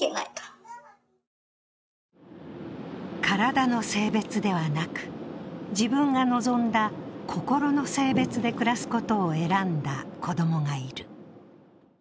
体の性別ではなく、自分が望んだ心の性別で暮らすことを選んだ子供がいる。